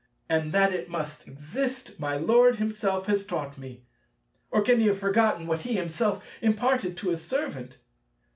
And that it must exist my Lord himself has taught me. Or can he have forgotten what he himself imparted to his servant?